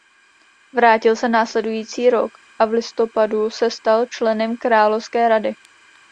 Vrátil se následující rok a v listopadu se stal členem královské rady.